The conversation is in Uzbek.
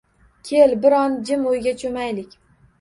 Kel, bir on jim o’yga cho’maylik.